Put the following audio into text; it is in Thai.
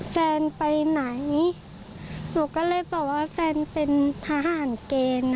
แฟนไปไหนหนูก็เลยบอกว่าแฟนเป็นทหารเกณฑ์